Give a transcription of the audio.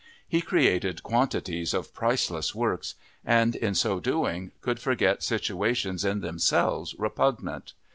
He created quantities of priceless works and, in so doing, could forget situations in themselves repugnant.